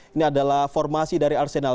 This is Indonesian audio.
ini adalah formasi dari arsenal